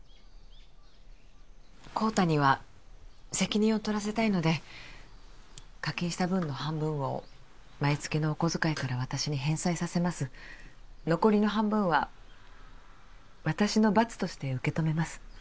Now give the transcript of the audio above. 孝多には責任を取らせたいので課金した分の半分を毎月のお小遣いから私に返済させます残りの半分は私の罰として受け止めます